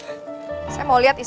kamu yang beli emangnya